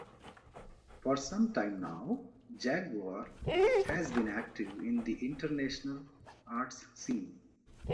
For some time now Jaguar has been active in the international arts scene.